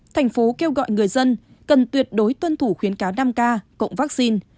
tp hcm kêu gọi người dân cần tuyệt đối tuân thủ khuyến cáo năm k cộng vaccine